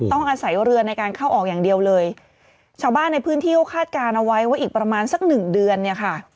ต้องอาศัยเรือในการเข้าออกอย่างเดียวเลยชาวบ้านในพื้นที่เขาคาดการณ์เอาไว้ว่าอีกประมาณสักหนึ่งเดือนเนี่ยค่ะ